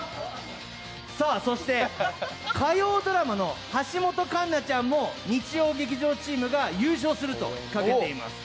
そして、火曜ドラマの橋本環奈ちゃんも日曜劇場チームが優勝すると賭けてます。